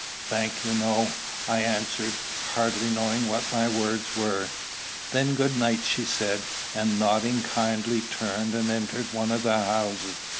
"Thank you, no," I answered, hardly knowing what my words were. "Then good night," she said, and, nodding kindly, turned, and entered one of the houses.